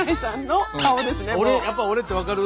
やっぱ俺ってわかる？